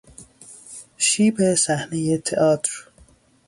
شیب صحنهی تئاتر